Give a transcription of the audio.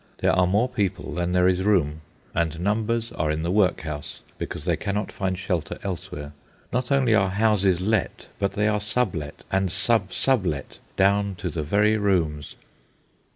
There are more people than there is room, and numbers are in the workhouse because they cannot find shelter elsewhere. Not only are houses let, but they are sublet, and sub sublet down to the very rooms.